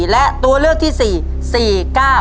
และตัวเลขที่สี่๔๙